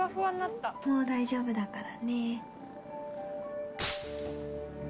もう大丈夫だからね